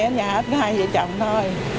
ở nhà có hai vợ chồng thôi